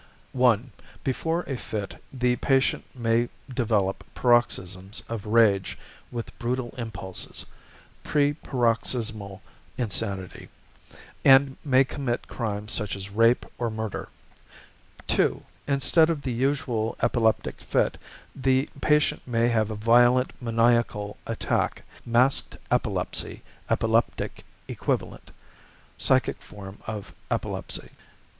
(1) Before a fit the patient may develop paroxysms of rage with brutal impulses (preparoxysmal insanity), and may commit crimes such as rape or murder. (2) Instead of the usual epileptic fit, the patient may have a violent maniacal attack (masked epilepsy, epileptic equivalent, psychic form of epilepsy).